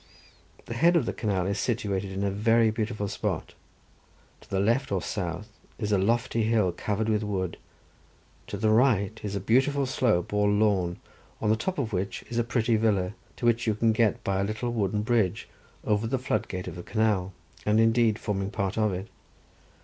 The head of the canal is situated in a very beautiful spot. To the left or south is a lofty hill covered with wood. To the right is a beautiful slope or lawn, on the top of which is a pretty villa, to which you can get by a little wooden bridge over the floodgate of the canal, and indeed forming part of it.